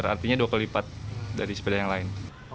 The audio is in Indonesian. artinya dua kali lipat dari sepeda yang lain